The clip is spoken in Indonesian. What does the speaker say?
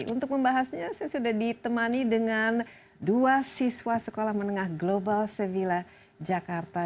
untuk membahasnya saya sudah ditemani dengan dua siswa sekolah menengah global sevilla jakarta